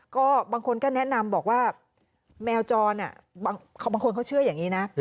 ก็บางคนก็แนะนำบอกว่าแมวจรบางคนเขาเชื่ออย่างนี้นะ